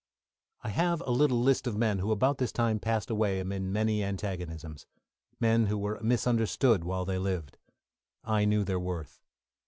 I have a little list of men who about this time passed away amid many antagonisms men who were misunderstood while they lived. I knew their worth.